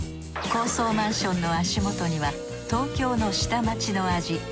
高層マンションの足もとには東京の下町の味